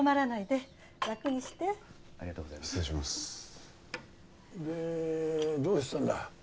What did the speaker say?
でどうしてたんだ？